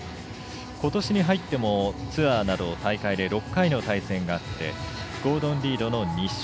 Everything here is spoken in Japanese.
ことしに入ってもツアーなどの大会で６回の対戦があってゴードン・リードの２勝。